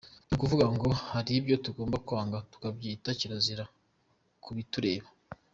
Ni kuvuga ngo, hari ibyo tugomba kwanga, tukabyita kirazira ku bitureba.